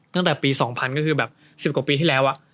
ตั้งแต่ปี๒๐๐ก็คือแบบ๑๐กว่าปีที่แล้ว